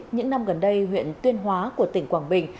những năm gần đây huyện tuyên hóa của tỉnh quảng bình